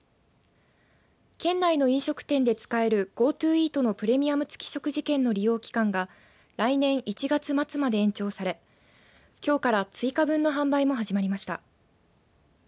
県内の飲食店で使えるＧｏＴｏイートのプレミアム付き食事券の利用期間が来年１月末まで延長されきょうから追加分の販売も始まりました。